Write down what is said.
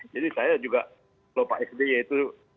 jadi saya juga kalau pak sd ya itu